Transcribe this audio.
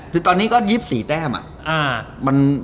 คือตอนนี้ก็๒๔แต้มอะ